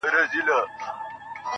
زموږ د كلي څخه ربه ښكلا كډه كړې_